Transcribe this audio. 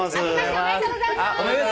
おめでとうございます。